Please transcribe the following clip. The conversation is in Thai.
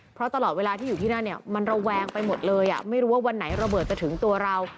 เพราะตลอดเวลาที่อยู่ที่นั่นเนี่ยมันระแวงไปหมดเลยไม่รู้ว่าวันไหนระเบิดจะถึงตัวเรา